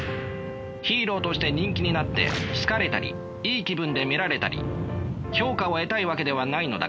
ヒーローとして人気になって好かれたりいい気分で見られたり評価を得たいわけではないのだから。